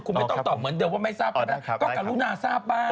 คุณไม่ต้องตอบเหมือนเดียวว่าไม่ทราบก็กลัวรู้หน่าทราบป้า